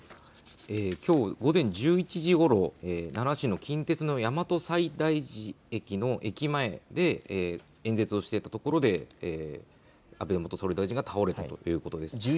きょう午前１１時ごろ、奈良市の近鉄の大和西大寺駅の駅前で演説をしていたところで安倍元総理大臣が倒れたということです。